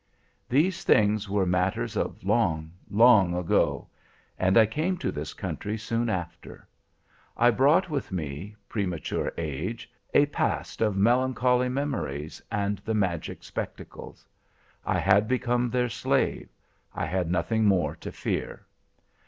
"These things were matters of long, long ago, and I came to this country soon after. I brought with me, premature age, a past of melancholy memories, and the magic spectacles. I had become their slave. I had nothing more to fear.